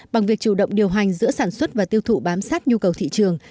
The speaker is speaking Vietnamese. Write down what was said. bằng việc chủ động điều hành giữa sản xuất và tiêu thụ bám sát nhu cầu thị trường